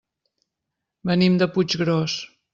Venim de Puiggròs.